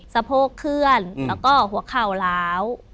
สะโพกเคลื่อนแล้วก็หัวเข่าล้าว